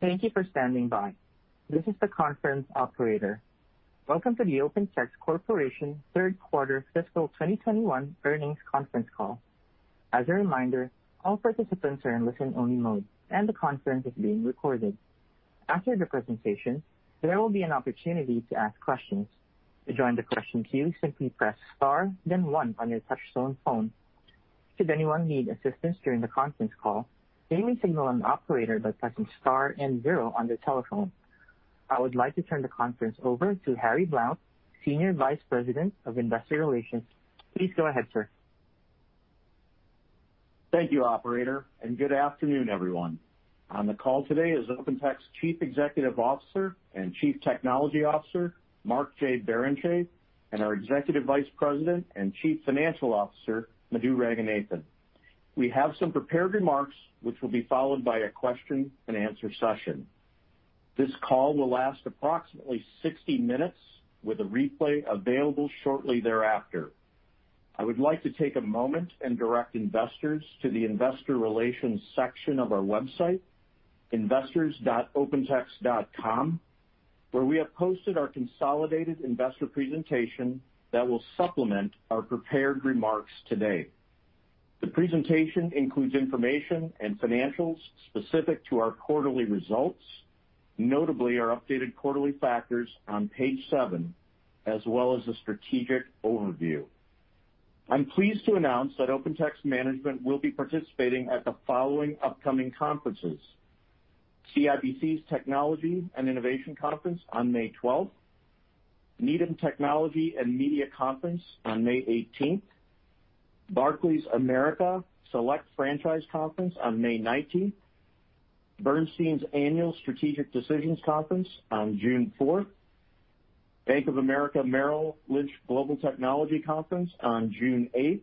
Thank you for standing by. This is the conference operator. Welcome to the OpenText Corporation third quarter fiscal 2021 earnings conference call. As a reminder, all participants are in listen only mode, and the conference is being recorded. After the presentation, there will be an opportunity to ask questions. To join the question queue, simply press star then one on your touchtone phone. Should anyone need assistance during the conference call, they may signal an operator by pressing star and zero on their telephone. I would like to turn the conference over to Harry Blount, Senior Vice President of Investor Relations. Please go ahead, sir. Thank you, operator. Good afternoon, everyone. On the call today is OpenText Chief Executive Officer and Chief Technology Officer, Mark J. Barrenechea, and our Executive Vice President and Chief Financial Officer, Madhu Ranganathan. We have some prepared remarks which will be followed by a question and answer session. This call will last approximately 60 minutes with a replay available shortly thereafter. I would like to take a moment and direct investors to the investor relations section of our website, investors.opentext.com, where we have posted our consolidated investor presentation that will supplement our prepared remarks today. The presentation includes information and financials specific to our quarterly results, notably our updated quarterly factors on page seven, as well as a strategic overview. I'm pleased to announce that OpenText management will be participating at the following upcoming conferences: CIBC's Technology and Innovation Conference on May 12, Needham Technology and Media Conference on May 18, Barclays America Select Franchise Conference on May 19, Bernstein Annual Strategic Decisions Conference on June 4, Bank of America Merrill Lynch Global Technology Conference on June 8,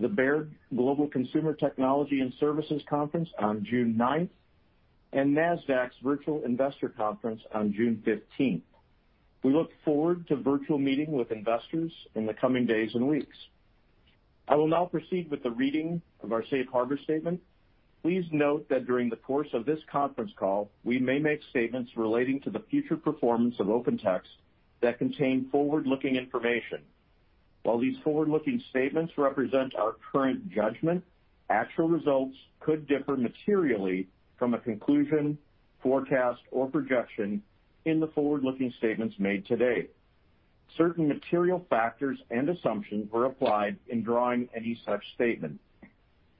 the Baird Global Consumer Technology and Services Conference on June 9, and Nasdaq's Virtual Investor Conference on June 15. We look forward to virtual meeting with investors in the coming days and weeks. I will now proceed with the reading of our safe harbor statement. Please note that during the course of this conference call, we may make statements relating to the future performance of OpenText that contain forward-looking information. While these forward-looking statements represent our current judgment, actual results could differ materially from a conclusion, forecast, or projection in the forward-looking statements made today. Certain material factors and assumptions were applied in drawing any such statement.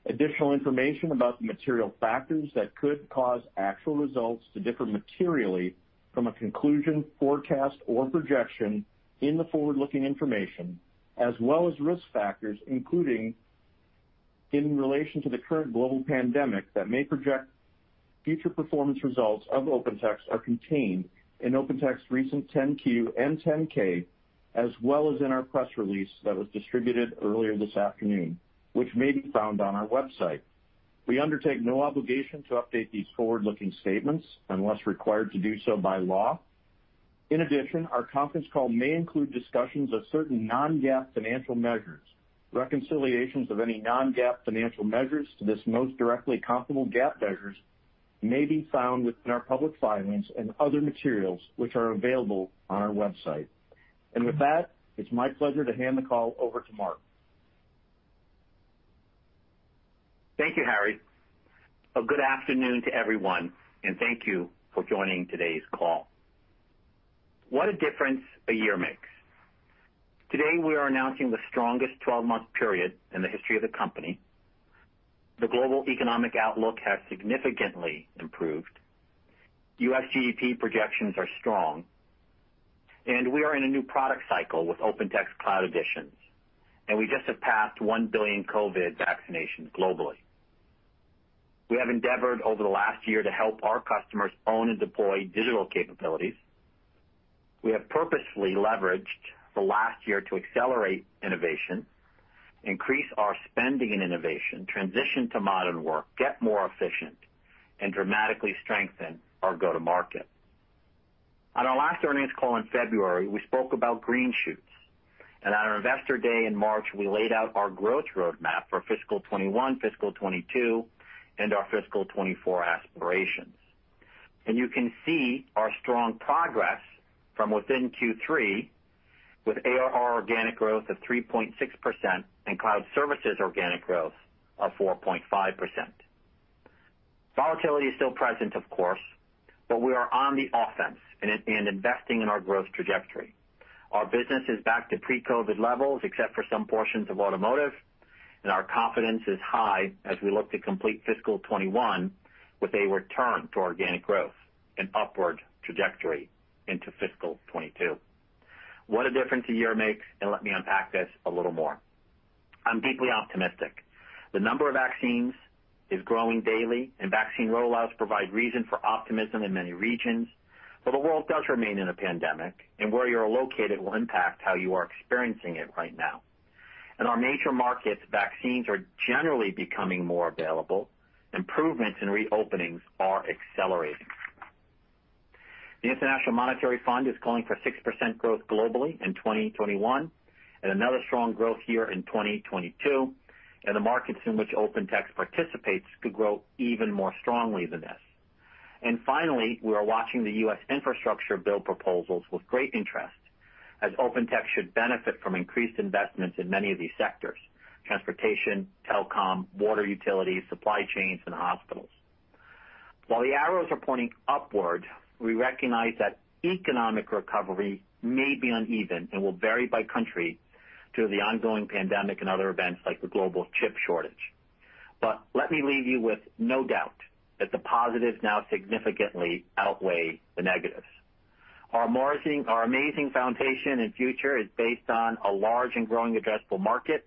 Additional information about the material factors that could cause actual results to differ materially from a conclusion, forecast, or projection in the forward-looking information, as well as risk factors including in relation to the current global pandemic that may project future performance results of OpenText are contained in OpenText recent 10-Q and 10-K, as well as in our press release that was distributed earlier this afternoon, which may be found on our website. We undertake no obligation to update these forward-looking statements unless required to do so by law. In addition, our conference call may include discussions of certain non-GAAP financial measures. Reconciliations of any non-GAAP financial measures to this most directly comparable GAAP measures may be found within our public filings and other materials, which are available on our website. With that, it's my pleasure to hand the call over to Mark. Thank you, Harry. Good afternoon to everyone, and thank you for joining today's call. What a difference a year makes. Today, we are announcing the strongest 12-month period in the history of the company. The global economic outlook has significantly improved. GDP projections are strong, and we are in a new product cycle with OpenText Cloud Editions, and we just have passed one billion COVID vaccinations globally. We have endeavored over the last year to help our customers own and deploy digital capabilities. We have purposefully leveraged the last year to accelerate innovation, increase our spending and innovation, transition to modern work, get more efficient, and dramatically strengthen our go-to-market. On our last earnings call in February, we spoke about green shoots. On our Investor Day in March, we laid out our growth roadmap for fiscal 2021, fiscal 2022, and our fiscal 2024 aspirations. You can see our strong progress from within Q3 with ARR organic growth of 3.6% and cloud services organic growth of 4.5%. Volatility is still present, of course, but we are on the offense and investing in our growth trajectory. Our business is back to pre-COVID levels, except for some portions of automotive, and our confidence is high as we look to complete fiscal 2021 with a return to organic growth and upward trajectory into fiscal 2022. What a difference a year makes, and let me unpack this a little more. I'm deeply optimistic. The number of vaccines is growing daily, and vaccine rollouts provide reason for optimism in many regions, but the world does remain in a pandemic, and where you're located will impact how you are experiencing it right now. In our major markets, vaccines are generally becoming more available. Improvements and reopenings are accelerating. The International Monetary Fund is calling for 6% growth globally in 2021, another strong growth year in 2022, and the markets in which OpenText participates could grow even more strongly than this. Finally, we are watching the U.S. infrastructure bill proposals with great interest, as OpenText should benefit from increased investments in many of these sectors, transportation, telecom, water utilities, supply chains, and hospitals. While the arrows are pointing upward, we recognize that economic recovery may be uneven and will vary by country due to the ongoing pandemic and other events like the global chip shortage. Let me leave you with no doubt that the positives now significantly outweigh the negatives. Our amazing foundation and future is based on a large and growing addressable market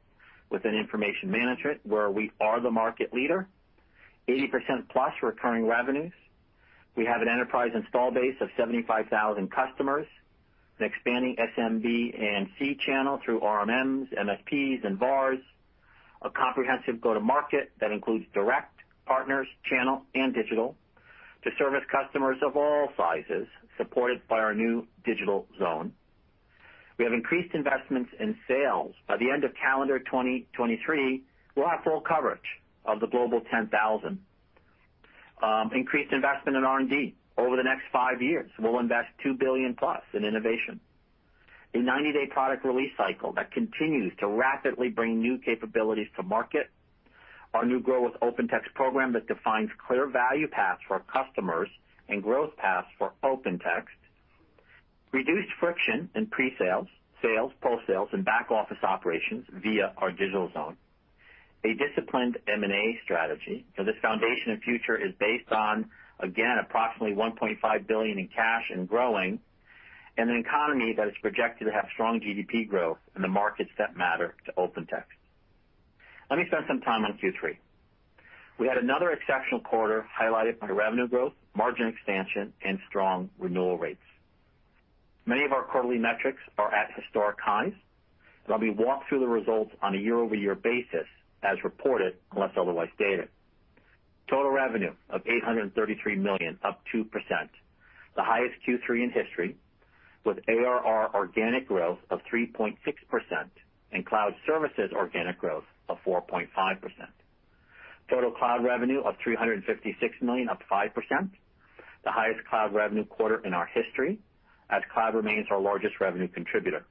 within information management, where we are the market leader. 80% plus recurring revenues. We have an enterprise install base of 75,000 customers, an expanding SMB & C channel through RMMs, MSPs, and VARs. A comprehensive go-to-market that includes direct partners, channel, and digital to service customers of all sizes, supported by our new Digital Zone. We have increased investments in sales. By the end of calendar 2023, we'll have full coverage of the Global 10,000. Increased investment in R&D. Over the next five years, we'll invest $2 billion plus in innovation. A 90-day product release cycle that continues to rapidly bring new capabilities to market. Our new Grow with OpenText program that defines clear value paths for customers and growth paths for OpenText. Reduced friction in pre-sales, sales, post-sales, and back-office operations via our Digital Zone. A disciplined M&A strategy. This foundation and future is based on, again, approximately $1.5 billion in cash and growing, and an economy that is projected to have strong GDP growth in the markets that matter to OpenText. Let me spend some time on Q3. We had another exceptional quarter highlighted by revenue growth, margin expansion, and strong renewal rates. Many of our quarterly metrics are at historic highs. Let me walk through the results on a year-over-year basis as reported, unless otherwise stated. Total revenue of $833 million, up 2%, the highest Q3 in history, with ARR organic growth of 3.6% and cloud services organic growth of 4.5%. Total cloud revenue of $356 million, up 5%, the highest cloud revenue quarter in our history, as cloud remains our largest revenue contributor.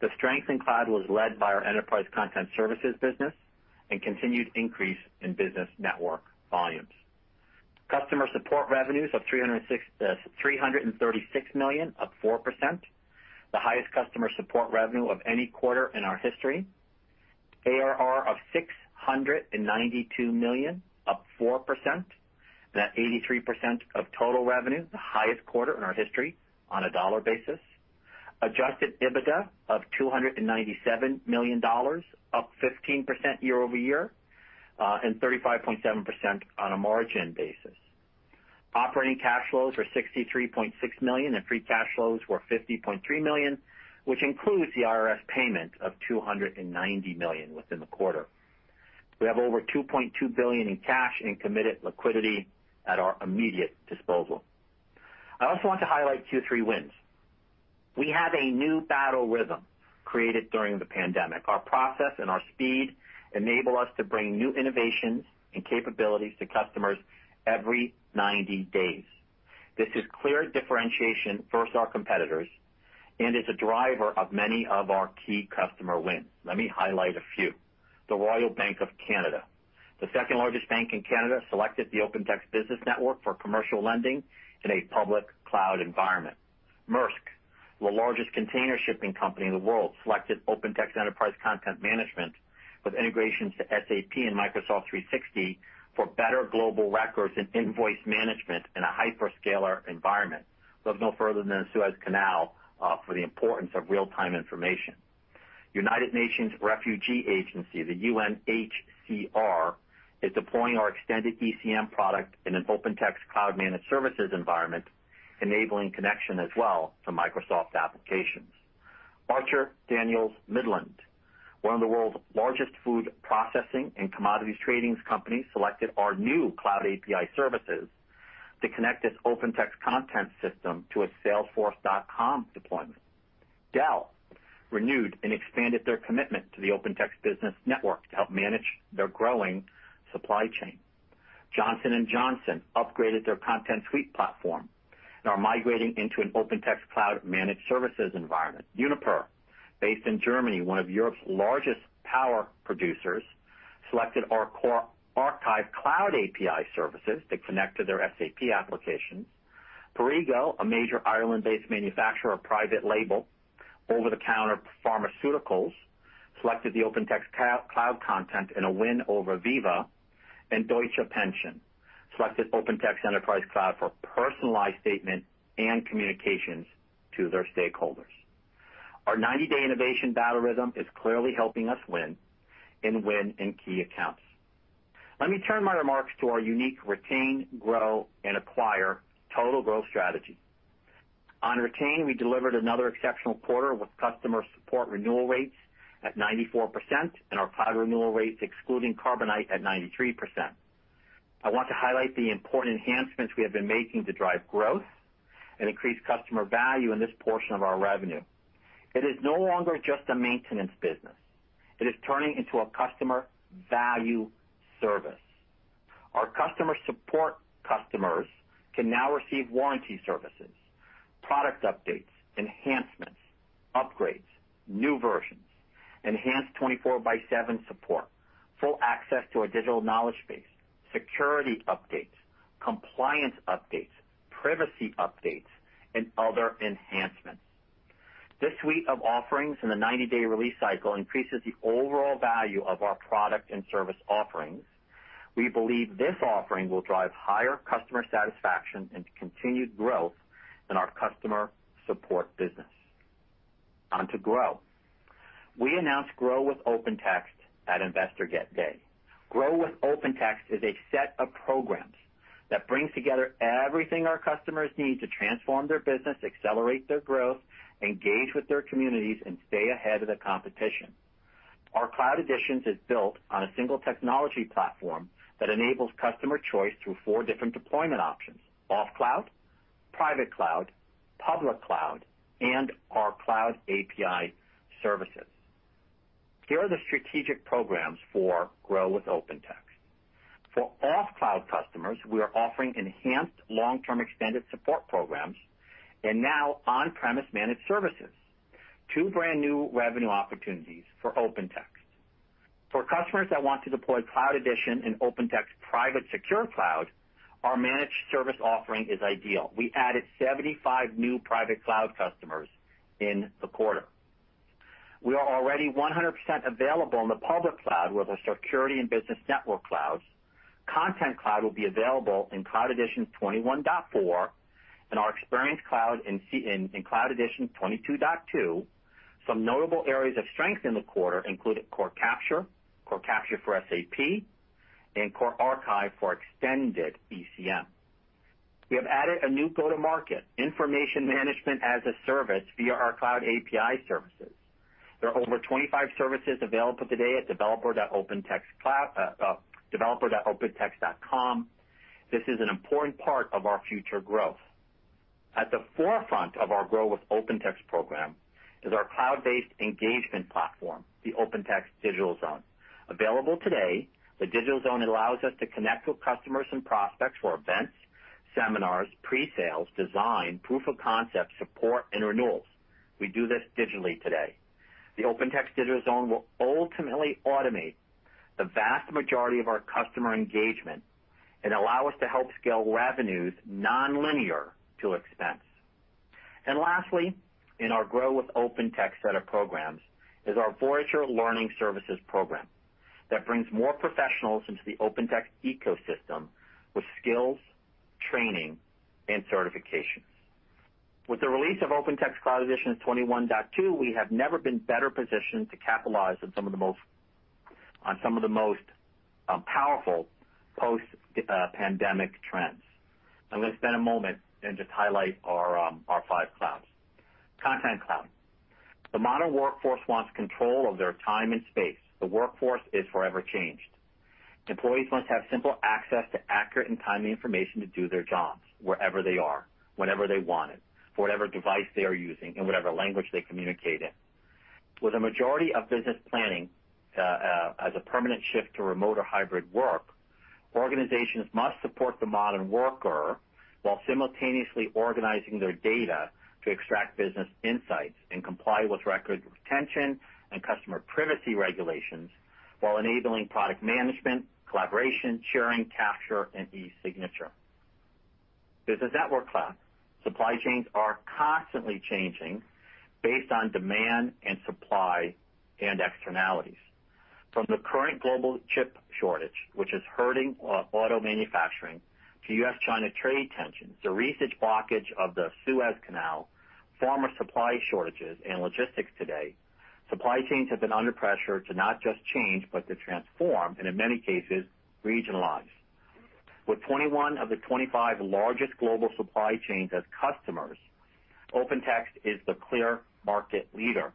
The strength in cloud was led by our enterprise content services business and continued increase in Business Network volumes. Customer support revenues of $336 million, up 4%, the highest customer support revenue of any quarter in our history. ARR of $692 million, up 4%, and at 83% of total revenue, the highest quarter in our history on a dollar basis. Adjusted EBITDA of $297 million, up 15% year-over-year, and 35.7% on a margin basis. Operating cash flows were $63.6 million, and free cash flows were $50.3 million, which includes the IRS payment of $290 million within the quarter. We have over $2.2 billion in cash and committed liquidity at our immediate disposal. I also want to highlight Q3 wins. We have a new battle rhythm created during the pandemic. Our process and our speed enable us to bring new innovations and capabilities to customers every 90 days. This is clear differentiation versus our competitors and is a driver of many of our key customer wins. Let me highlight a few. The Royal Bank of Canada, the second largest bank in Canada, selected the OpenText Business Network for commercial lending in a public cloud environment. Maersk, the largest container shipping company in the world, selected OpenText Enterprise Content Management with integrations to SAP and Microsoft 365 for better global records and invoice management in a hyperscaler environment. Look no further than the Suez Canal, for the importance of real-time information. United Nations Refugee Agency, the UNHCR, is deploying our Extended ECM product in an OpenText Cloud managed services environment, enabling connection as well to Microsoft applications. Archer Daniels Midland, one of the world's largest food processing and commodities trading companies, selected our new Cloud API services to connect its OpenText Content system to a Salesforce.com deployment. Dell renewed and expanded their commitment to the OpenText Business Network to help manage their growing supply chain. Johnson & Johnson upgraded their OpenText Content Suite platform and are migrating into an OpenText cloud managed services environment. Uniper, based in Germany, one of Europe's largest power producers, selected our OpenText Archive Cloud API services to connect to their SAP application. Perrigo, a major Ireland-based manufacturer of private label over-the-counter pharmaceuticals, selected the OpenText Core Content in a win over Veeva. Deutsche Rentenversicherung selected OpenText Enterprise Cloud for personalized statement and communications to their stakeholders. Our 90-day innovation battle rhythm is clearly helping us win and win in key accounts. Let me turn my remarks to our unique retain, grow, and acquire total growth strategy. On retain, we delivered another exceptional quarter with customer support renewal rates at 94% and our cloud renewal rates excluding Carbonite at 92%. I want to highlight the important enhancements we have been making to drive growth and increase customer value in this portion of our revenue. It is no longer just a maintenance business. It is turning into a customer value service. Our customer support customers can now receive warranty services, product updates, enhancements, upgrades, new versions, enhanced 24/7 support, full access to our digital knowledge base, security updates, compliance updates, privacy updates, and other enhancements. This suite of offerings in the 90-day release cycle increases the overall value of our product and service offerings. We believe this offering will drive higher customer satisfaction and continued growth in our customer support business. On to Grow. We announced Grow with OpenText at Investor Day. Grow with OpenText is a set of programs that brings together everything our customers need to transform their business, accelerate their growth, engage with their communities, and stay ahead of the competition. Our Cloud Editions is built on a single technology platform that enables customer choice through four different deployment options: off cloud, private cloud, public cloud, and our cloud API services. Here are the strategic programs for Grow with OpenText. For off-cloud customers, we are offering enhanced long-term extended support programs and now on-premise managed services. Two brand new revenue opportunities for OpenText. For customers that want to deploy Cloud Edition in OpenText private secure cloud, our managed service offering is ideal. We added 75 new private cloud customers in the quarter. We are already 100% available on the public cloud with our security and business network clouds. Content Cloud will be available in Cloud Edition 21.4 and our Experience Cloud in Cloud Edition 22.2. Some notable areas of strength in the quarter included Core Capture, Core Capture for SAP, and Core Archive for Extended ECM. We have added a new go-to-market, Information Management as a Service via our cloud API services. There are over 25 services available today at developer.opentext.com. This is an important part of our future growth. At the forefront of our Grow with OpenText program is our cloud-based engagement platform, the OpenText Digital Zone. Available today, the Digital Zone allows us to connect with customers and prospects for events, seminars, pre-sales, design, proof of concept, support, and renewals. We do this digitally today. The OpenText Digital Zone will ultimately automate the vast majority of our customer engagement and allow us to help scale revenues non-linear to expense. Lastly, in our Grow with OpenText set of programs is our Voyager Learning Services program that brings more professionals into the OpenText ecosystem with skills, training, and certifications. With the release of OpenText Cloud Edition 21.2, we have never been better positioned to capitalize on some of the most powerful post-pandemic trends. Let's spend a moment and just highlight our five clouds. Content Cloud. The modern workforce wants control of their time and space. The workforce is forever changed. Employees must have simple access to accurate and timely information to do their jobs wherever they are, whenever they want it, for whatever device they are using, in whatever language they communicate in. With a majority of business planning as a permanent shift to remote or hybrid work, organizations must support the modern worker while simultaneously organizing their data to extract business insights and comply with records retention and customer privacy regulations while enabling product management, collaboration, sharing, capture, and e-signature. Business Network Cloud. Supply chains are constantly changing based on demand and supply and externalities. From the current global chip shortage, which is hurting auto manufacturing, to U.S.-China trade tensions, the recent blockage of the Suez Canal, pharma supply shortages, and logistics today, supply chains have been under pressure to not just change, but to transform, and in many cases, regionalize. With 21 of the 25 largest global supply chains as customers, OpenText is the clear market leader.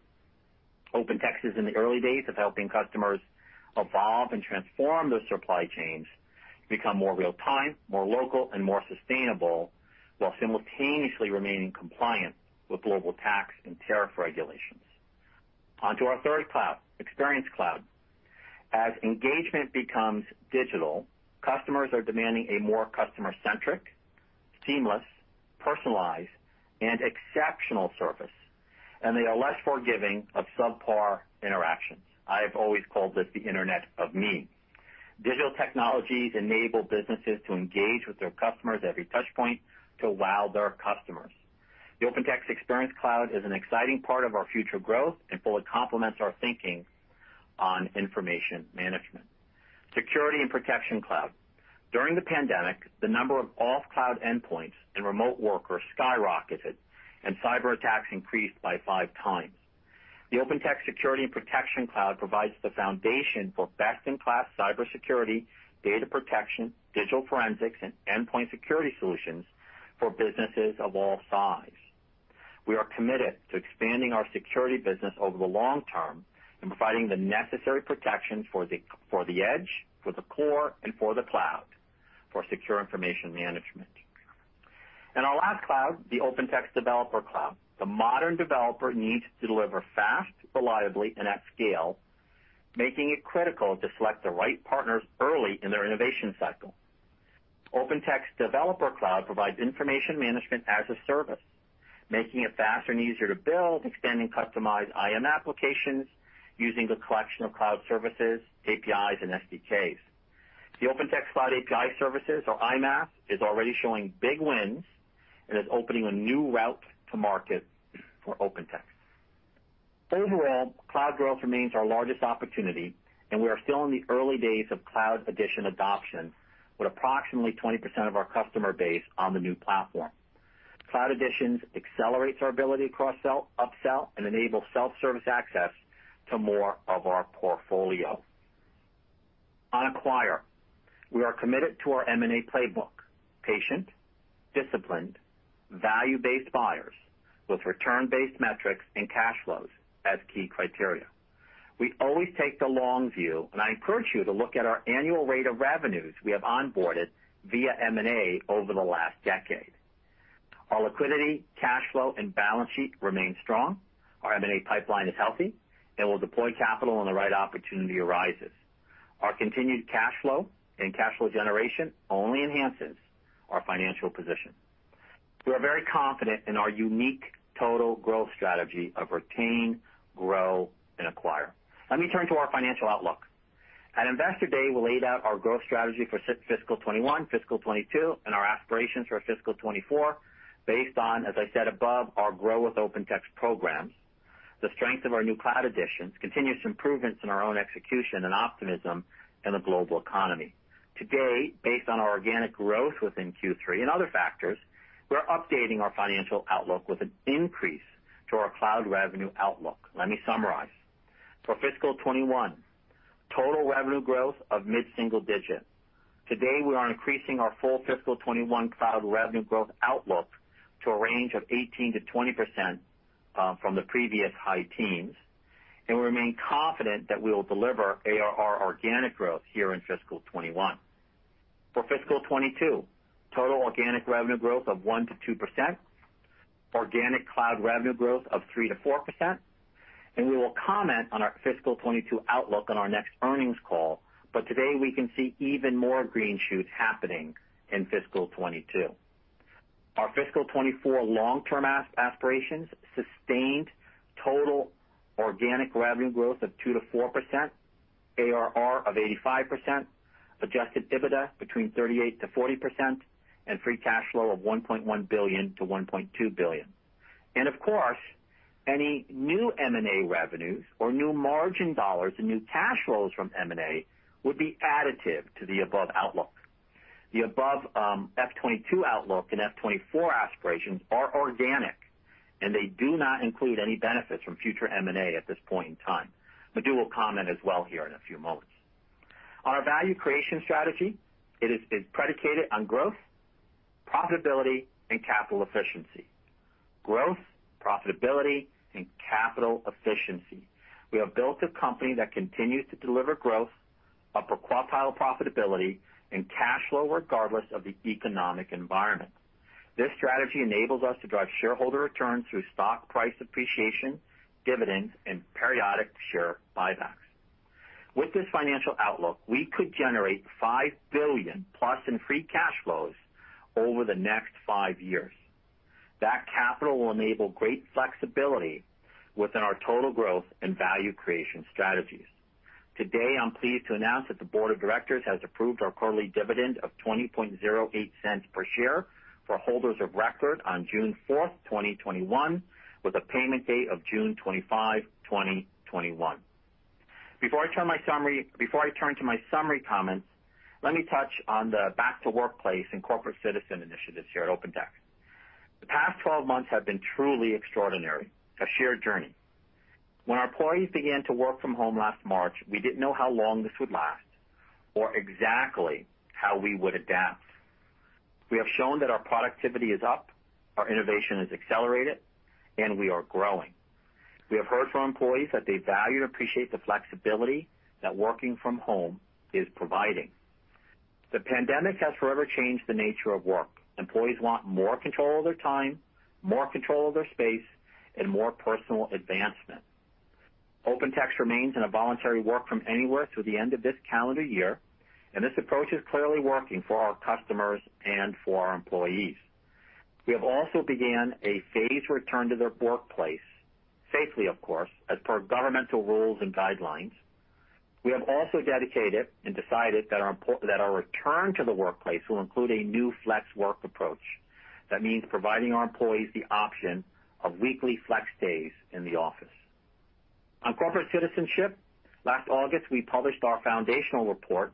OpenText is in the early days of helping customers evolve and transform those supply chains to become more real time, more local, and more sustainable, while simultaneously remaining compliant with global tax and tariff regulations. On to our third cloud, Experience Cloud. As engagement becomes digital, customers are demanding a more customer-centric, seamless, personalized, and exceptional service, and they are less forgiving of subpar interactions. I have always called this the internet of me. Digital technologies enable businesses to engage with their customers at every touchpoint to wow their customers. The OpenText Experience Cloud is an exciting part of our future growth and fully complements our thinking on information management. Security & Protection Cloud. During the pandemic, the number of off-cloud endpoints and remote workers skyrocketed, and cyber attacks increased by five times. The OpenText Security & Protection Cloud provides the foundation for best-in-class cybersecurity, data protection, digital forensics, and endpoint security solutions for businesses of all size. We are committed to expanding our security business over the long term and providing the necessary protection for the edge, for the core, and for the cloud for secure information management. Our last cloud, the OpenText Developer Cloud. The modern developer needs to deliver fast, reliably, and at scale, making it critical to select the right partners early in their innovation cycle. OpenText Developer Cloud provides information management as a service, making it faster and easier to build, extend, and customize IM applications using the collection of cloud services, APIs, and SDKs. The OpenText Cloud API services, or IMaaS, is already showing big wins and is opening a new route to market for OpenText. Overall, cloud growth remains our largest opportunity. We are still in the early days of Cloud Editions adoption, with approximately 20% of our customer base on the new platform. Cloud Editions accelerates our ability to cross-sell, upsell, and enable self-service access to more of our portfolio. On acquire. We are committed to our M&A playbook: patient, disciplined, value-based buyers with return-based metrics and cash flows as key criteria. We always take the long view. I encourage you to look at our annual rate of revenues we have onboarded via M&A over the last decade. Our liquidity, cash flow, and balance sheet remain strong. Our M&A pipeline is healthy. We'll deploy capital when the right opportunity arises. Our continued cash flow and cash flow generation only enhances our financial position. We are very confident in our unique total growth strategy of retain, grow, and acquire. Let me turn to our financial outlook. At Investor Day, we laid out our growth strategy for fiscal 2021, fiscal 2022, and our aspirations for fiscal 2024, based on, as I said above, our Grow with OpenText programs, the strength of our new Cloud Editions, continuous improvements in our own execution, and optimism in the global economy. To date, based on our organic growth within Q3 and other factors, we're updating our financial outlook with an increase to our cloud revenue outlook. Let me summarize. For fiscal 2021, total revenue growth of mid-single digit. Today, we are increasing our full fiscal 2021 cloud revenue growth outlook to a range of 18%-20% from the previous high teens, and we remain confident that we will deliver ARR organic growth here in fiscal 2021. For fiscal 2022, total organic revenue growth of 1%-2%, organic cloud revenue growth of 3%-4%, and we will comment on our fiscal 2022 outlook on our next earnings call. Today, we can see even more green shoots happening in fiscal 2022. Our fiscal 2024 long-term aspirations, sustained total organic revenue growth of 2%-4%, ARR of 85%, adjusted EBITDA between 38%-40%, and free cash flow of $1.1 billion-$1.2 billion. Of course, any new M&A revenues or new margin dollars and new cash flows from M&A would be additive to the above outlook. The above FY 2022 outlook and FY 2024 aspirations are organic. They do not include any benefits from future M&A at this point in time. I will comment as well here in a few moments. Our value creation strategy, it is predicated on growth, profitability, and capital efficiency. Growth, profitability, and capital efficiency. We have built a company that continues to deliver growth, upper quartile profitability, and cash flow regardless of the economic environment. This strategy enables us to drive shareholder returns through stock price appreciation, dividends, and periodic share buybacks. With this financial outlook, we could generate $5 billion plus in free cash flows over the next five years. That capital will enable great flexibility within our total growth and value creation strategies. Today, I'm pleased to announce that the board of directors has approved our quarterly dividend of $0.2008 per share for holders of record on June 4, 2021, with a payment date of June 25, 2021. Before I turn to my summary comments, let me touch on the back to workplace and corporate citizen initiatives here at OpenText. The past 12 months have been truly extraordinary, a shared journey. When our employees began to work from home last March, we didn't know how long this would last or exactly how we would adapt. We have shown that our productivity is up, our innovation is accelerated, and we are growing. We have heard from employees that they value and appreciate the flexibility that working from home is providing. The pandemic has forever changed the nature of work. Employees want more control of their time, more control of their space, and more personal advancement. OpenText remains in a voluntary work from anywhere through the end of this calendar year, and this approach is clearly working for our customers and for our employees. We have also began a phased return to the workplace, safely of course, as per governmental rules and guidelines. We have also dedicated and decided that our return to the workplace will include a new flex work approach. That means providing our employees the option of weekly flex days in the office. On corporate citizenship, last August, we published our foundational report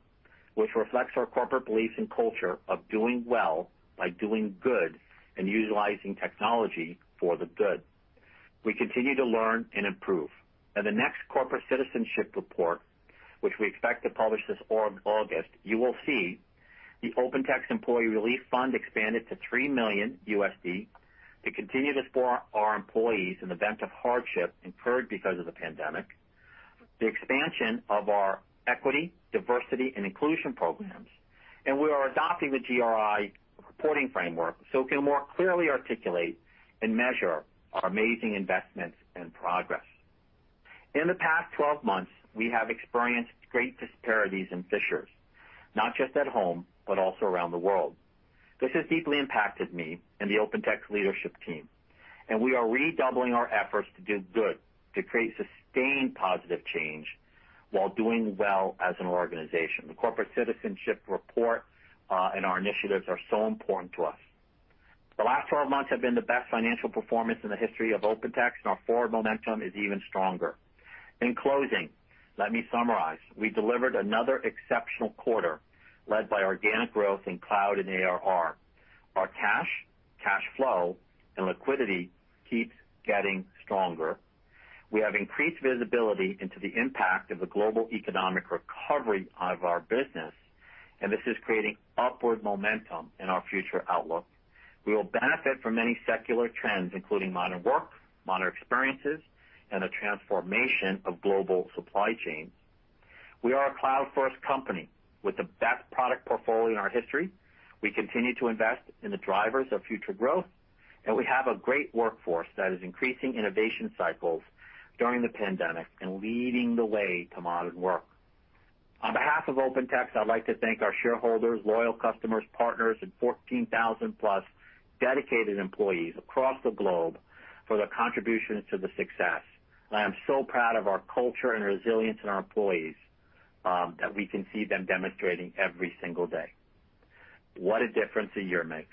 which reflects our corporate belief and culture of doing well by doing good and utilizing technology for the good. We continue to learn and improve. In the next corporate citizenship report, which we expect to publish this August, you will see the OpenText employee relief fund expanded to three million USD to continue to support our employees in event of hardship incurred because of the pandemic, the expansion of our equity, diversity, and inclusion programs, and we are adopting the GRI reporting framework so we can more clearly articulate and measure our amazing investments and progress. In the past 12 months, we have experienced great disparities and fissures, not just at home, but also around the world. This has deeply impacted me and the OpenText leadership team, and we are redoubling our efforts to do good, to create sustained positive change while doing well as an organization. The corporate citizenship report, and our initiatives are so important to us. The last 12 months have been the best financial performance in the history of OpenText. Our forward momentum is even stronger. In closing, let me summarize. We delivered another exceptional quarter led by organic growth in cloud and ARR. Our cash flow, and liquidity keeps getting stronger. We have increased visibility into the impact of the global economic recovery of our business. This is creating upward momentum in our future outlook. We will benefit from many secular trends, including modern work, modern experiences, and the transformation of global supply chains. We are a cloud-first company with the best product portfolio in our history. We continue to invest in the drivers of future growth. We have a great workforce that is increasing innovation cycles during the pandemic and leading the way to modern work. On behalf of OpenText, I'd like to thank our shareholders, loyal customers, partners and 14,000-plus dedicated employees across the globe for their contributions to the success. I am so proud of our culture and resilience in our employees that we can see them demonstrating every single day. What a difference a year makes.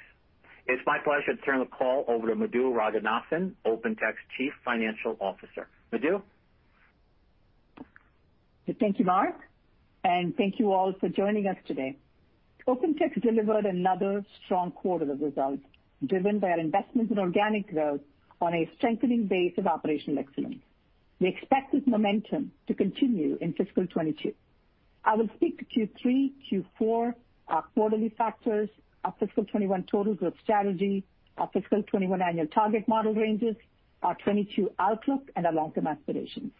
It's my pleasure to turn the call over to Madhu Ranganathan, OpenText Chief Financial Officer. Madhu. Thank you, Mark, and thank you all for joining us today. OpenText delivered another strong quarter of results, driven by our investments in organic growth on a strengthening base of operational excellence. We expect this momentum to continue in fiscal 2022. I will speak to Q3, Q4, our quarterly factors, our fiscal 2021 total group strategy, our fiscal 2021 annual target model ranges, our 2022 outlook, and our long-term aspirations,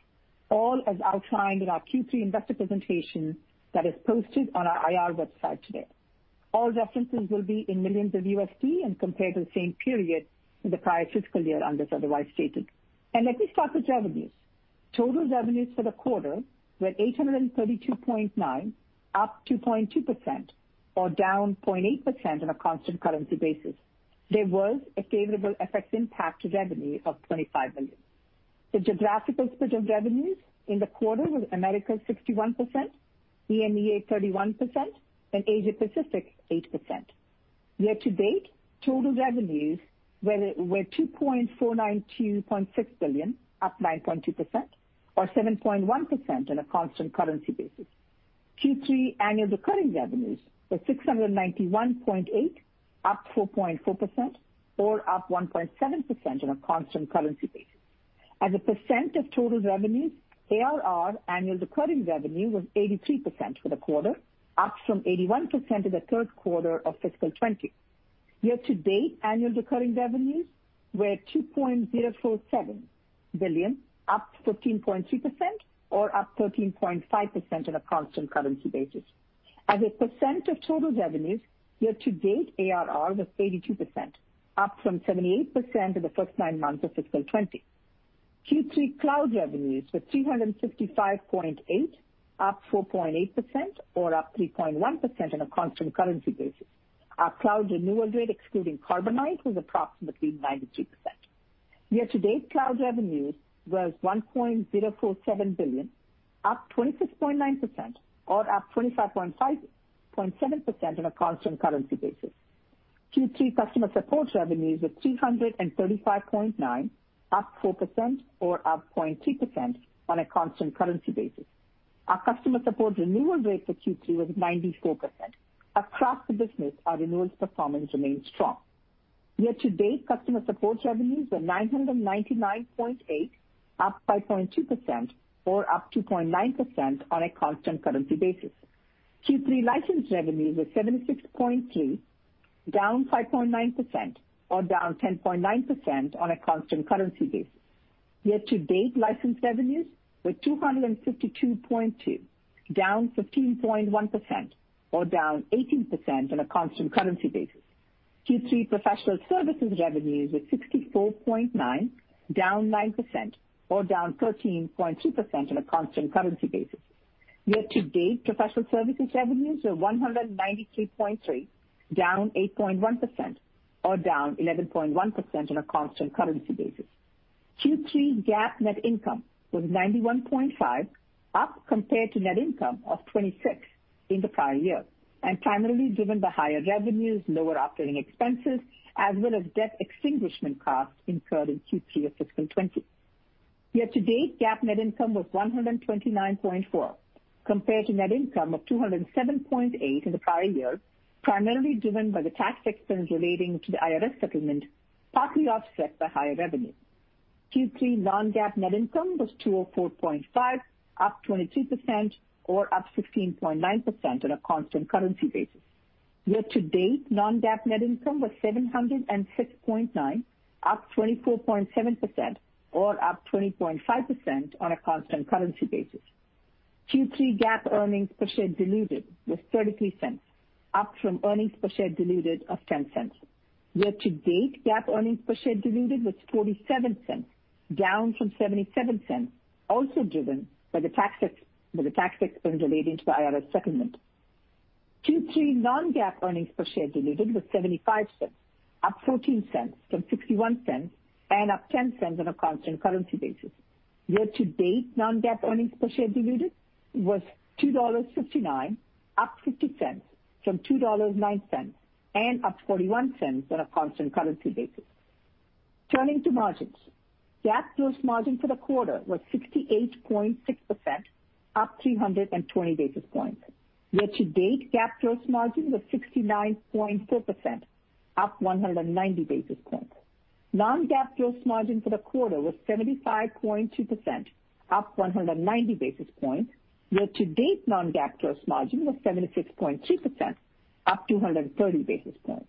all as outlined in our Q3 investor presentation that is posted on our IR website today. All references will be in millions of USD and compared to the same period in the prior fiscal year, unless otherwise stated. Let me start with revenues. Total revenues for the quarter were $832.9, up 2.2%, or down 0.8% on a constant currency basis. There was a favorable FX impact to revenue of $25 million. The geographical split of revenues in the quarter was Americas 61%, EMEA 31%, and Asia Pacific 8%. Year to date, total revenues were $2,492.6 million, up 9.2%, or 7.1% on a constant currency basis. Q3 annual recurring revenues were $691.8, up 4.4%, or up 1.7% on a constant currency basis. As a percent of total revenues, ARR, annual recurring revenue, was 83% for the quarter, up from 81% in the third quarter of fiscal 2020. Year to date annual recurring revenues were $2.047 billion, up 15.3%, or up 13.5% on a constant currency basis. As a percent of total revenues, year to date ARR was 82%, up from 78% in the first nine months of fiscal 2020. Q3 cloud revenues were $355.8, up 4.8%, or up 3.1% on a constant currency basis. Our cloud renewal rate, excluding Carbonite, was approximately 92%. Year-to-date cloud revenues was $1.047 billion, up 26.9%, or up 25.7% on a constant currency basis. Q3 customer support revenues were $335.9, up 4%, or up 0.3% on a constant currency basis. Our customer support renewal rate for Q3 was 94%. Across the business, our renewals performance remains strong. Year-to-date customer support revenues were $999.8, up 5.2%, or up 2.9% on a constant currency basis. Q3 license revenues were $76.3, down 5.9%, or down 10.9% on a constant currency basis. Year-to-date license revenues were $252.2, down 15.1%, or down 18% on a constant currency basis. Q3 professional services revenues were $64.9, down 9%, or down 13.2% on a constant currency basis. Year-to-date professional services revenues were $193.3, down 8.1%, or down 11.1% on a constant currency basis. Q3 GAAP net income was $91.5, up compared to net income of $26 in the prior year, and primarily driven by higher revenues, lower operating expenses, as well as debt extinguishment costs incurred in Q3 of fiscal 2020. Year-to-date, GAAP net income was $129.4, compared to net income of $207.8 in the prior year, primarily driven by the tax expense relating to the IRS settlement, partly offset by higher revenue. Q3 non-GAAP net income was $204.5, up 22%, or up 15.9% on a constant currency basis. Year-to-date non-GAAP net income was $706.9, up 24.7%, or up 20.5% on a constant currency basis. Q3 GAAP earnings per share diluted was $0.33, up from earnings per share diluted of $0.10. Year-to-date GAAP earnings per share diluted was $0.47, down from $0.77, also driven by the tax expense relating to the IRS settlement. Q3 non-GAAP earnings per share diluted was $0.75, up $0.14 from $0.61, and up $0.10 on a constant currency basis. Year-to-date non-GAAP earnings per share diluted was $2.59, up $0.50 from $2.09, and up $0.41 on a constant currency basis. Turning to margins. GAAP gross margin for the quarter was 68.6%, up 320 basis points. Year-to-date GAAP gross margin was 69.4%, up 190 basis points. Non-GAAP gross margin for the quarter was 75.2%, up 190 basis points. Year-to-date non-GAAP gross margin was 76.2%, up 230 basis points.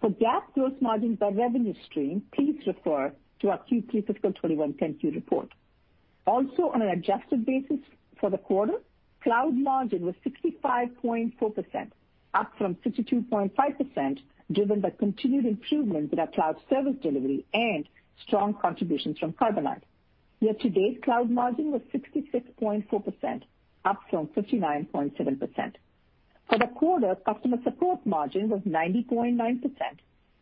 For GAAP gross margin by revenue stream, please refer to our Q3 fiscal 2021 Form 10-Q report. Also on an adjusted basis for the quarter, cloud margin was 65.4%, up from 62.5%, driven by continued improvement in our cloud service delivery, and strong contributions from Carbonite. Year-to-date cloud margin was 66.4%, up from 59.7%. For the quarter, customer support margin was 90.9%,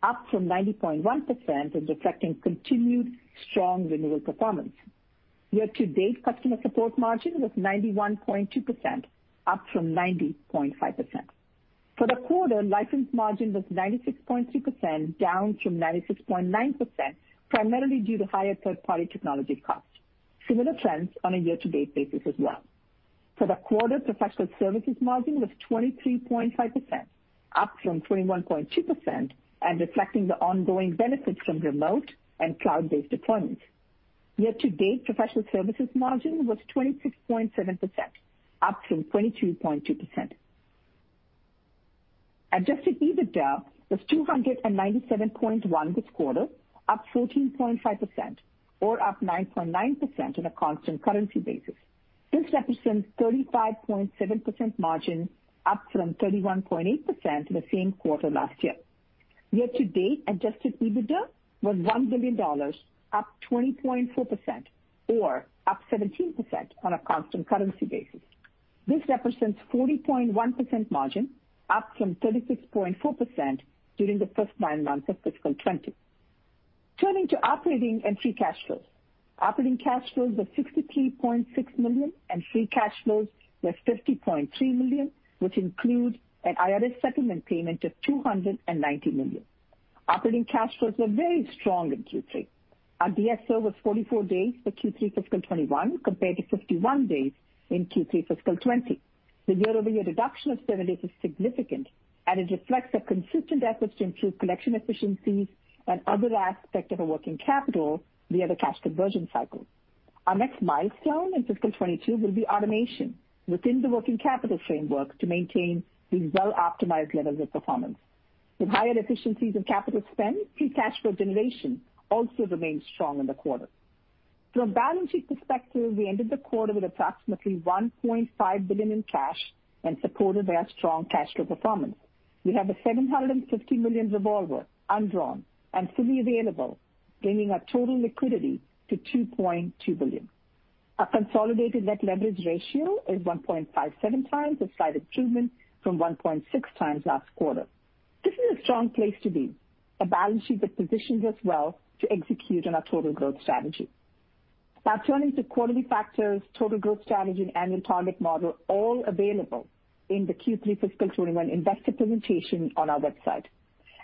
up from 90.1%, and reflecting continued strong renewal performance. Year-to-date customer support margin was 91.2%, up from 90.5%. For the quarter, license margin was 96.3%, down from 96.9%, primarily due to higher third-party technology costs. Similar trends on a year-to-date basis as well. For the quarter, professional services margin was 23.5%, up from 21.2%, and reflecting the ongoing benefits from remote and cloud-based deployments. Year-to-date professional services margin was 26.7%, up from 22.2%. Adjusted EBITDA was $297.1 this quarter, up 14.5%, or up 9.9% on a constant currency basis. This represents 35.7% margin, up from 31.8% the same quarter last year. Year-to-date adjusted EBITDA was $1 billion, up 20.4%, or up 17% on a constant currency basis. This represents 40.1% margin, up from 36.4% during the first nine months of fiscal 2020. Turning to operating and free cash flows. Operating cash flows were $63.6 million, and free cash flows were $50.3 million, which includes an IRS settlement payment of $290 million. Operating cash flows were very strong in Q3. Our DSO was 44 days for Q3 fiscal '21, compared to 51 days in Q3 fiscal '20. The year-over-year reduction of seven days is significant, and it reflects our consistent efforts to improve collection efficiencies and other aspects of our working capital via the cash conversion cycle. Our next milestone in fiscal '22 will be automation within the working capital framework to maintain these well-optimized levels of performance. With higher efficiencies in capital spend, free cash flow generation also remained strong in the quarter. From a balance sheet perspective, we ended the quarter with approximately $1.5 billion in cash and supported by our strong cash flow performance. We have a $750 million revolver undrawn and fully available, bringing our total liquidity to $2.2 billion. Our consolidated net leverage ratio is 1.57 times, a slight improvement from 1.6 times last quarter. This is a strong place to be, a balance sheet that positions us well to execute on our total growth strategy. Now turning to quarterly factors, total growth strategy, and annual target model, all available in the Q3 fiscal 2021 investor presentation on our website.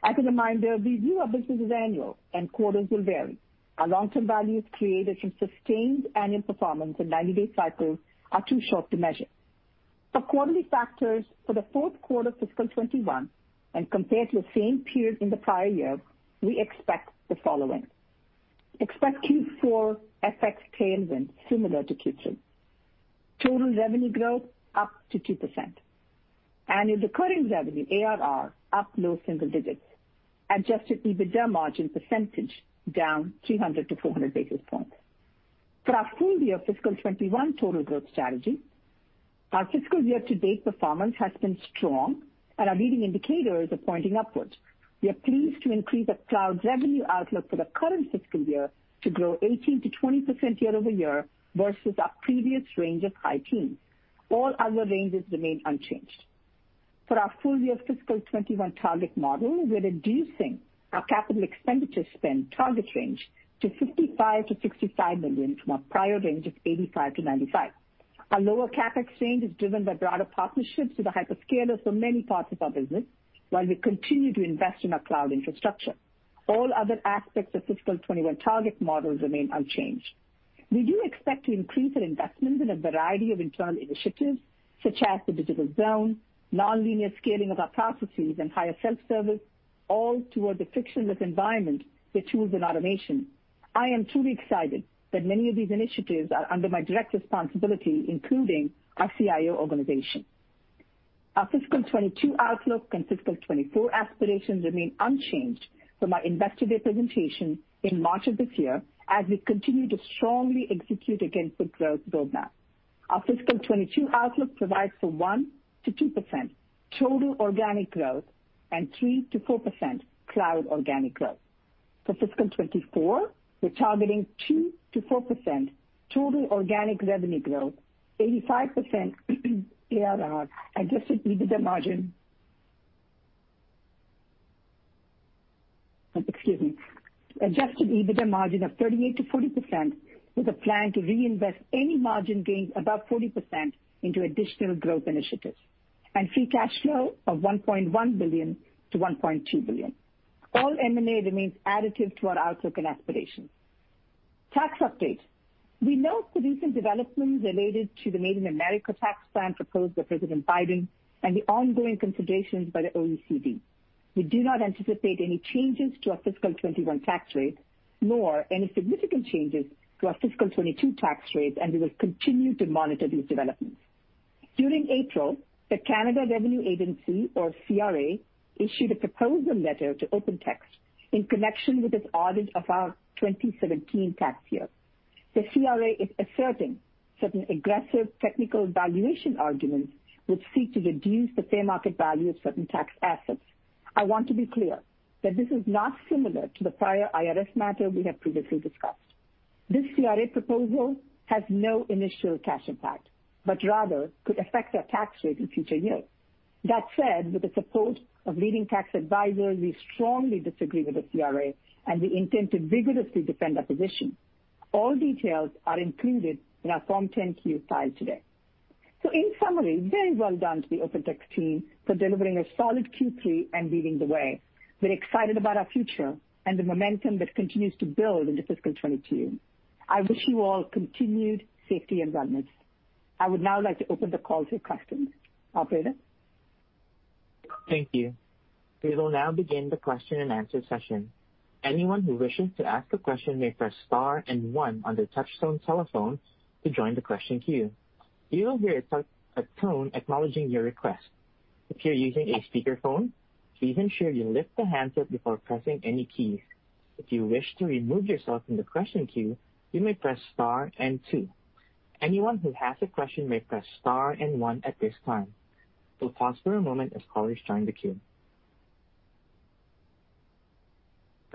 As a reminder, we view our business as annual and quarters will vary. Our long-term value is created from sustained annual performance, and 90-day cycles are too short to measure. For quarterly factors for the fourth quarter fiscal 2021, and compared to the same period in the prior year, we expect the following. Expect Q4 FX tailwinds similar to Q3. Total revenue growth up to 2%. Annual recurring revenue, ARR, up low single digits. Adjusted EBITDA margin percentage down 300-400 basis points. For our full year fiscal 2021 total growth strategy, our fiscal year-to-date performance has been strong and our leading indicators are pointing upwards. We are pleased to increase our cloud revenue outlook for the current fiscal year to grow 18%-20% year-over-year, versus our previous range of high teens. All other ranges remain unchanged. For our full year fiscal 2021 target model, we're reducing our capital expenditure spend target range to $55 million-$65 million from our prior range of $85 million-$95 million. A lower CapEx change is driven by broader partnerships with the hyperscalers for many parts of our business, while we continue to invest in our cloud infrastructure. All other aspects of fiscal 2021 target models remain unchanged. We do expect to increase our investments in a variety of internal initiatives, such as the Digital Zone, nonlinear scaling of our processes, and higher self-service, all towards a frictionless environment with tools and automation. I am truly excited that many of these initiatives are under my direct responsibility, including our CIO organization. Our fiscal 2022 outlook and fiscal 2024 aspirations remain unchanged from our Investor Day presentation in March of this year, as we continue to strongly execute against the growth roadmap. Our fiscal 2022 outlook provides for 1%-2% total organic growth and 3%-4% cloud organic growth. For fiscal 2024, we're targeting 2%-4% total organic revenue growth, 85% ARR adjusted EBITDA margin. Excuse me. adjusted EBITDA margin of 38%-40%, with a plan to reinvest any margin gains above 40% into additional growth initiatives, and free cash flow of $1.1 billion-$1.2 billion. All M&A remains additive to our outlook and aspirations. Tax update. We note recent developments related to the Made in America Tax Plan proposed by President Biden and the ongoing considerations by the OECD. We do not anticipate any changes to our fiscal 2021 tax rate, nor any significant changes to our fiscal 2022 tax rate, and we will continue to monitor these developments. During April, the Canada Revenue Agency, or CRA, issued a proposal letter to OpenText in connection with its audit of our 2017 tax year. The CRA is asserting certain aggressive technical valuation arguments which seek to reduce the fair market value of certain tax assets. I want to be clear that this is not similar to the prior IRS matter we have previously discussed. This CRA proposal has no initial cash impact, but rather could affect our tax rate in future years. That said, with the support of leading tax advisors, we strongly disagree with the CRA, and we intend to vigorously defend our position. All details are included in our Form 10-Q filed today. In summary, very well done to the OpenText team for delivering a solid Q3 and leading the way. We're excited about our future and the momentum that continues to build into fiscal 2022. I wish you all continued safety and wellness. I would now like to open the call to questions. Operator? Thank you. The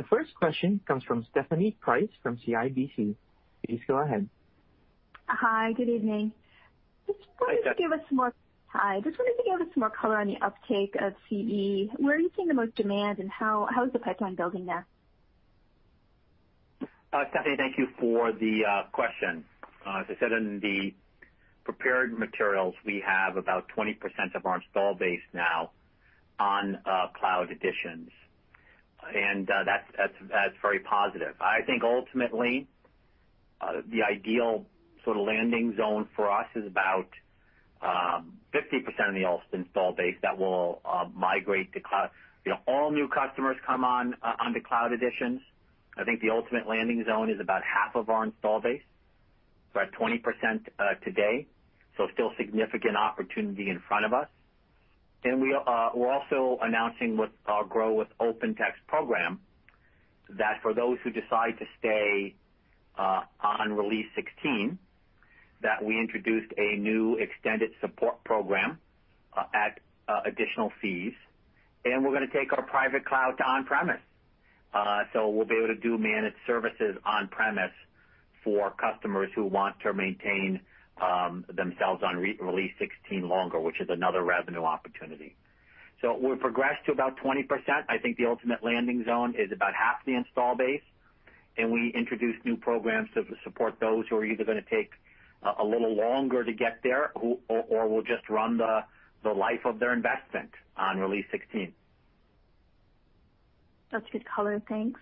first question comes from Stephanie Price from CIBC. Please go ahead. Hi. Good evening. Hi, Stephanie. Hi. Just wondering if you could give us some more color on the uptake of CE. Where are you seeing the most demand, and how is the pipeline building there? Stephanie, thank you for the question. As I said in the prepared materials, we have about 20% of our install base now on Cloud Editions, and that's very positive. I think ultimately, the ideal sort of landing zone for us is about 50% of the install base that will migrate to cloud. All new customers come on to Cloud Editions. I think the ultimate landing zone is about half of our install base. We're at 20% today, still significant opportunity in front of us. We're also announcing our Grow with OpenText program, that for those who decide to stay on Release 16, that we introduced a new extended support program at additional fees. We're going to take our private cloud to on-premise. We'll be able to do managed services on premise for customers who want to maintain themselves on Release 16 longer, which is another revenue opportunity. We've progressed to about 20%. I think the ultimate landing zone is about half the install base, and we introduced new programs to support those who are either going to take a little longer to get there, or will just run the life of their investment on Release 16. That's good color. Thanks.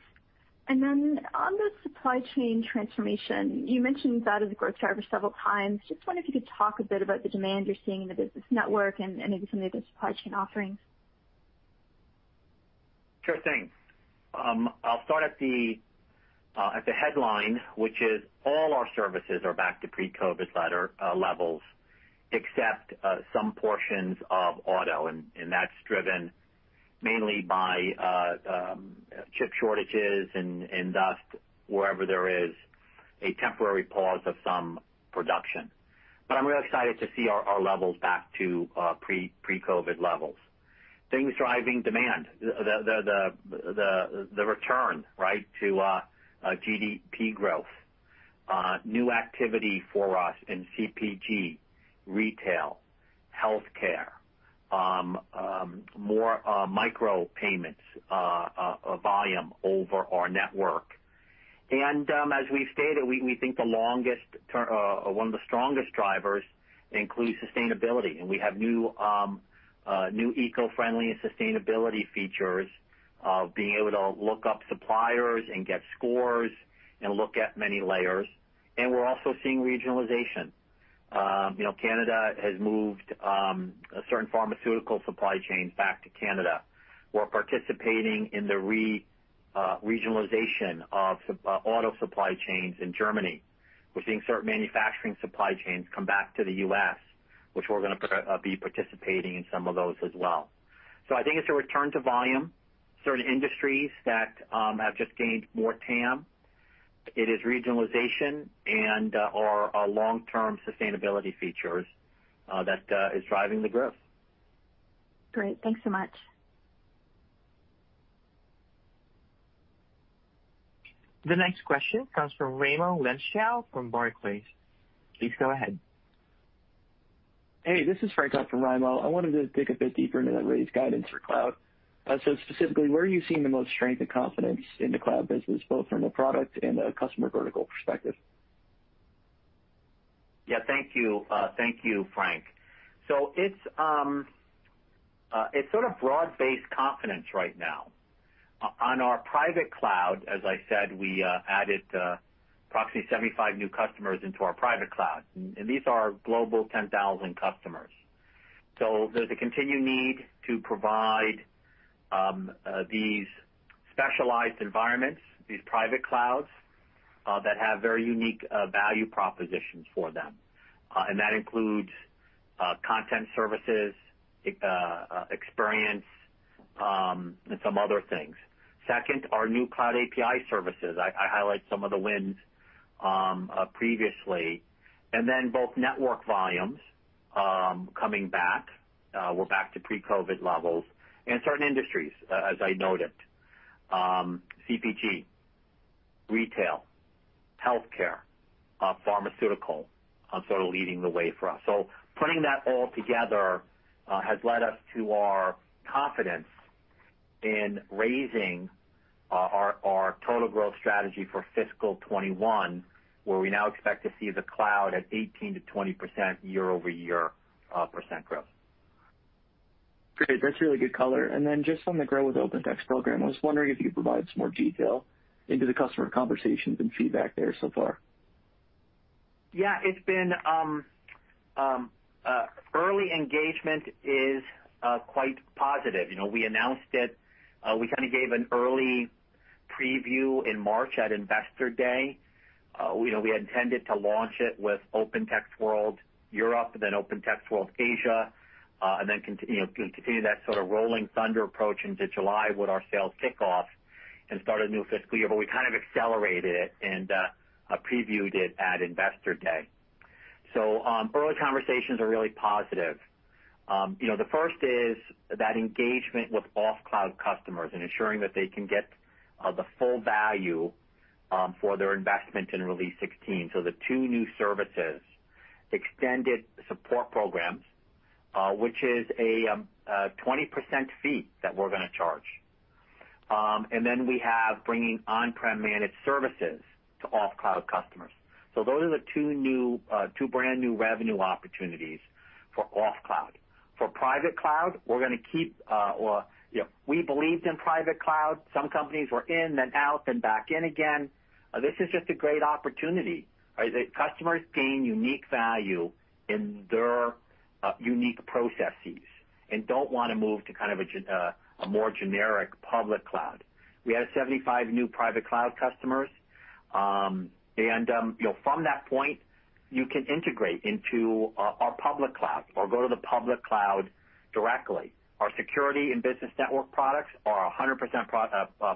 On the supply chain transformation, you mentioned that as a growth driver several times. Just wonder if you could talk a bit about the demand you're seeing in the business network and maybe some of the supply chain offerings. Sure thing. I'll start at the headline, which is all our services are back to pre-COVID levels, except some portions of auto. That's driven mainly by chip shortages and thus wherever there is a temporary pause of some production. I'm really excited to see our levels back to pre-COVID levels. Things driving demand, the return to GDP growth, new activity for us in CPG, retail, healthcare, more micro payments volume over our network. As we've stated, we think one of the strongest drivers includes sustainability, and we have new eco-friendly and sustainability features of being able to look up suppliers and get scores and look at many layers. We're also seeing regionalization. Canada has moved certain pharmaceutical supply chains back to Canada. We're participating in the regionalization of auto supply chains in Germany. We're seeing certain manufacturing supply chains come back to the U.S., which we're going to be participating in some of those as well. I think it's a return to volume, certain industries that have just gained more TAM. It is regionalization and/or our long-term sustainability features that is driving the growth. Great. Thanks so much. The next question comes from Raimo Lenschow from Barclays. Please go ahead. Hey, this is Frank for Raimo. I wanted to dig a bit deeper into that raised guidance for cloud. Specifically, where are you seeing the most strength and confidence in the cloud business, both from a product and a customer vertical perspective? Thank you, Frank. It's sort of broad-based confidence right now. On our private cloud, as I said, we added approximately 75 new customers into our private cloud, and these are Global 10,000 customers. There's a continued need to provide these specialized environments, these private clouds, that have very unique value propositions for them. That includes content services, experience, and some other things. Second, our new cloud API services. I highlight some of the wins previously, both network volumes coming back. We're back to pre-COVID levels. Certain industries, as I noted CPG, retail, healthcare, pharmaceutical, sort of leading the way for us. Putting that all together has led us to our confidence in raising our total growth strategy for fiscal 2021, where we now expect to see the cloud at 18%-20% year-over-year growth. Great. That's really good color. Then just on the Grow with OpenText program, I was wondering if you could provide some more detail into the customer conversations and feedback there so far. Early engagement is quite positive. We announced it. We kind of gave an early preview in March at Investor Day. We had intended to launch it with OpenText World Europe and then OpenText World Asia, and then continue that sort of rolling thunder approach into July with our sales kickoff and start a new fiscal year. We kind of accelerated it and previewed it at Investor Day. Early conversations are really positive. The first is that engagement with off-cloud customers and ensuring that they can get the full value for their investment in Release 16. The two new services, extended support programs, which is a 20% fee that we're going to charge, and then we have bringing on-prem managed services to off-cloud customers. Those are the two brand new revenue opportunities for off-cloud. For private cloud, we believed in private cloud. Some companies were in, then out, then back in again. This is just a great opportunity. The customers gain unique value in their unique processes and don't want to move to kind of a more generic public cloud. We had 75 new private cloud customers. From that point, you can integrate into our public cloud or go to the public cloud directly. Our security and Business Network products are 100%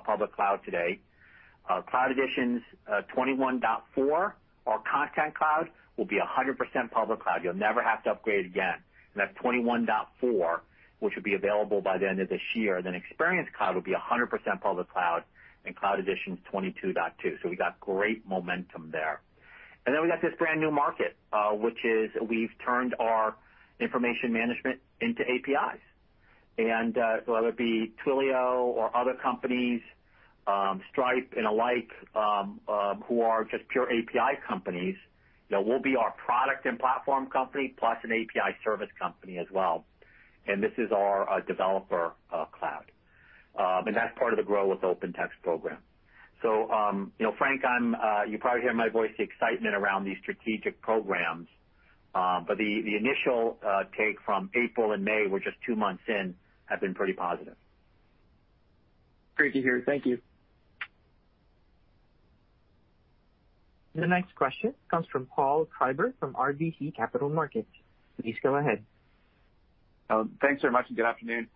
public cloud today. Cloud Editions 21.4, our Content Cloud will be 100% public cloud. You'll never have to upgrade again. That's 21.4, which will be available by the end of this year. Experience Cloud will be 100% public cloud in Cloud Editions 22.2. We got great momentum there. We got this brand new market, which is we've turned our information management into APIs. Whether it be Twilio or other companies, Stripe and the like, who are just pure API companies, we'll be our product and platform company, plus an API service company as well. This is our Developer Cloud, and that's part of the Grow with OpenText program. Frank, you probably hear in my voice the excitement around these strategic programs. The initial take from April and May, we're just two months in, have been pretty positive. Great to hear. Thank you. The next question comes from Paul Treiber from RBC Capital Markets. Please go ahead. Thanks very much. Good afternoon.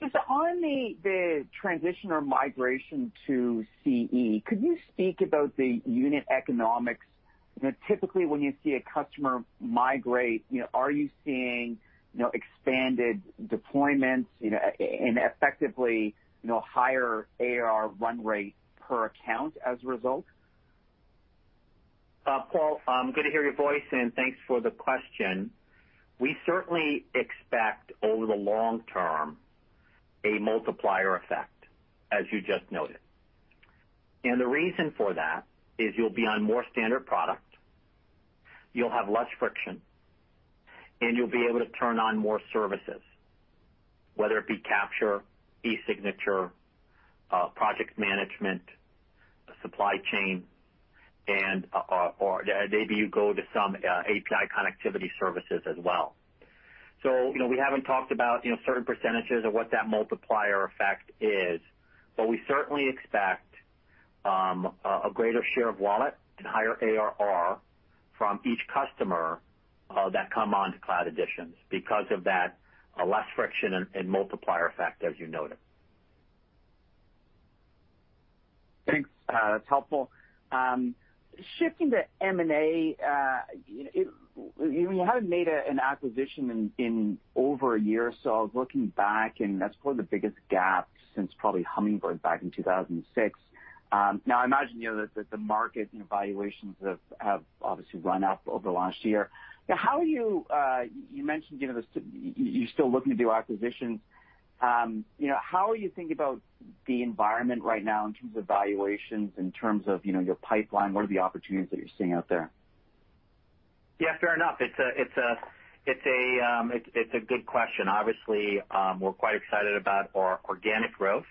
Just on the transition or migration to CE, could you speak about the unit economics? Typically, when you see a customer migrate, are you seeing expanded deployments and effectively higher ARR run rate per account as a result? Paul, good to hear your voice. Thanks for the question. We certainly expect over the long term, a multiplier effect, as you just noted. The reason for that is you'll be on more standard product, you'll have less friction, and you'll be able to turn on more services, whether it be capture, e-signature, project management, supply chain, or maybe you go to some API connectivity services as well. We haven't talked about certain percentages of what that multiplier effect is. We certainly expect a greater share of wallet and higher ARR from each customer that come onto Cloud Editions because of that less friction and multiplier effect, as you noted. Thanks. That's helpful. Shifting to M&A, you haven't made an acquisition in over a year or so. I was looking back, and that's probably the biggest gap since probably Hummingbird back in 2006. Now, I imagine that the market valuations have obviously run up over the last year. You mentioned you're still looking to do acquisitions. How are you thinking about the environment right now in terms of valuations, in terms of your pipeline? What are the opportunities that you're seeing out there? Yeah, fair enough. It's a good question. Obviously, we're quite excited about our organic growth.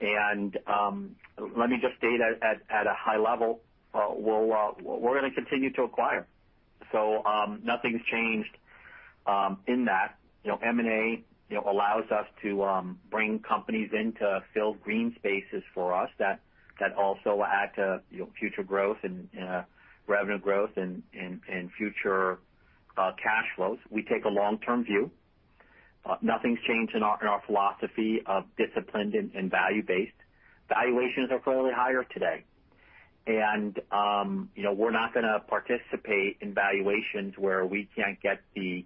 Let me just state at a high level, we're going to continue to acquire. Nothing's changed in that. M&A allows us to bring companies in to fill green spaces for us that also add to future growth and revenue growth and future cash flows. We take a long-term view. Nothing's changed in our philosophy of disciplined and value-based. Valuations are clearly higher today. We're not going to participate in valuations where we can't get the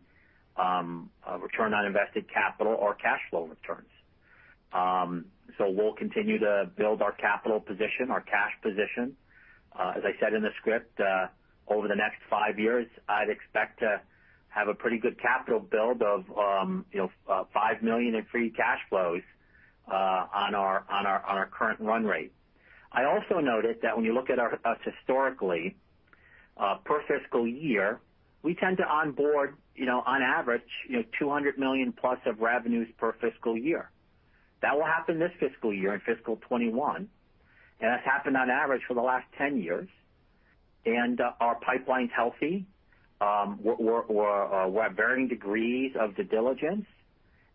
return on invested capital or cash flow returns. We'll continue to build our capital position, our cash position. As I said in the script, over the next five years, I'd expect to have a pretty good capital build of $5 billion in free cash flows on our current run rate. I also noted that when you look at us historically, per fiscal year, we tend to onboard on average, $200 million plus of revenues per fiscal year. That will happen this fiscal year in fiscal 2021, and that's happened on average for the last 10 years. Our pipeline's healthy. We're at varying degrees of due diligence,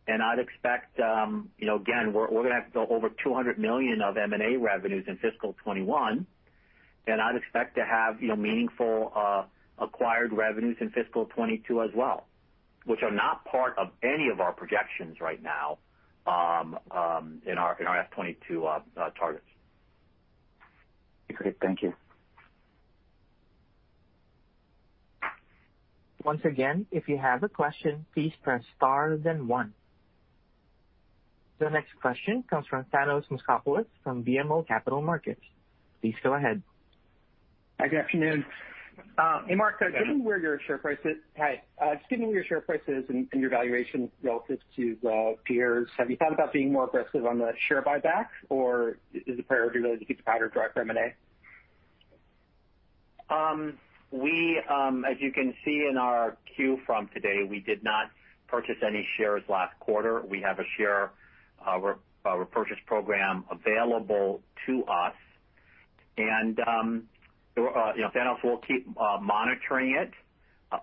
and I'd expect again, we're going to have to do over $200 million of M&A revenues in fiscal 2021. I'd expect to have meaningful acquired revenues in fiscal 2022 as well, which are not part of any of our projections right now in our FY 2022 targets. Okay, thank you. Once again, if you have a question, please press star then one. The next question comes from Thanos Moschopoulos from BMO Capital Markets. Please go ahead. Good afternoon. Hey, Mark, Yeah. Given where your share price is and your valuation relative to peers, have you thought about being more aggressive on the share buyback, or is the priority really to keep the powder dry for M&A? As you can see in our 10-Q from today, we did not purchase any shares last quarter. We have a share repurchase program available to us. Thanos, we'll keep monitoring it.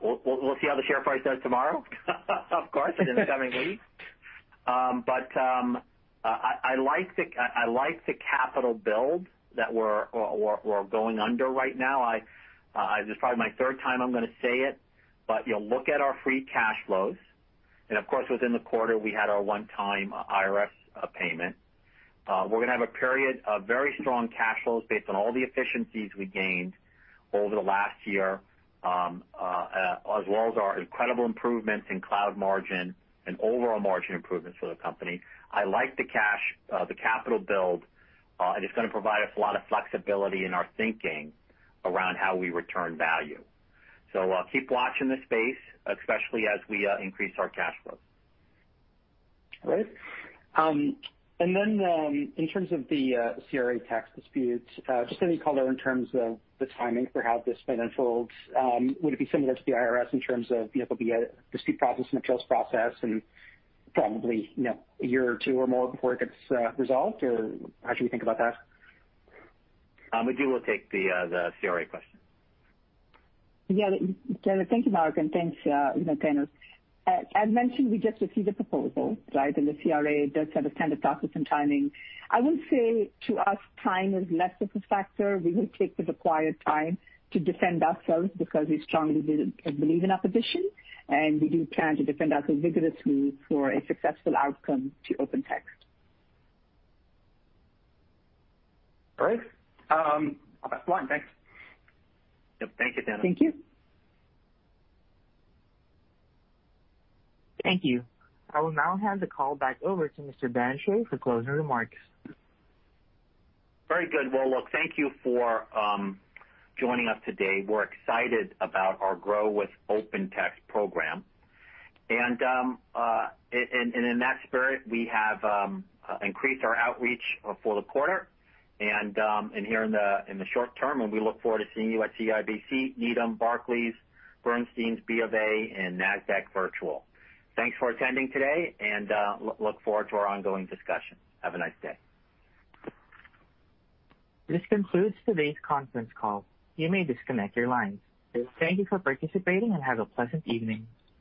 We'll see how the share price does tomorrow of course, in the coming weeks. I like the capital build that we're going under right now. This is probably my third time I'm going to say it, look at our free cash flows. Of course, within the quarter, we had our one-time IRS payment. We're going to have a period of very strong cash flows based on all the efficiencies we gained over the last year, as well as our incredible improvements in cloud margin and overall margin improvements for the company. I like the capital build, it's going to provide us a lot of flexibility in our thinking around how we return value. Keep watching this space, especially as we increase our cash flow. Great. In terms of the CRA tax disputes, just any color in terms of the timing for how this might unfold. Would it be similar to the IRS in terms of it will be a dispute process, appeals process and probably a year or two or more before it gets resolved, or how should we think about that? Ajit will take the CRA question. Yeah. Thank you, Mark, and thanks Thanos. As mentioned, we just received the proposal, and the CRA does have a standard process and timing. I would say to us, time is less of a factor. We will take the required time to defend ourselves because we strongly believe in our position, and we do plan to defend ourselves vigorously for a successful outcome to OpenText. Great. That's fine. Thanks. Yep, thank you, Thanos. Thank you. Thank you. I will now hand the call back over to Mr. Barrenechea for closing remarks. Very good. Well, look, thank you for joining us today. We're excited about our Grow with OpenText program. In that spirit, we have increased our outreach for the quarter and here in the short term. We look forward to seeing you at CIBC, Needham, Barclays, Bernstein, BofA, and Nasdaq Virtual. Thanks for attending today, and look forward to our ongoing discussion. Have a nice day. This concludes today's conference call. You may disconnect your lines. Thank you for participating, and have a pleasant evening.